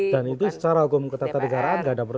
dan itu secara hukum ketata negara enggak bermasalah